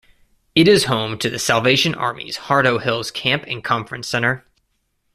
It is home to The Salvation Army's Heart o' Hills camp and conference center.